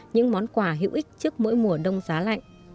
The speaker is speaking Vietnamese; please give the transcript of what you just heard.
những món quà hữu ích trước mỗi mùa đông giá lạnh